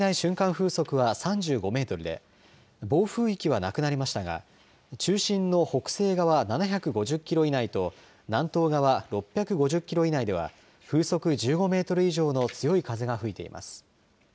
風速は３５メートルで暴風域は、なくなりましたが中心の北西側７５０キロ以内と南東側６５０キロ以内では風速１５メートル以上の強い風が吹いています。